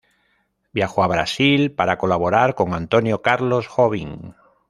Viajó a Brasil, para colaborar con Antônio Carlos Jobim.